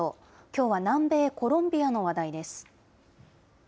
きょうは南米コロンビアの話題です。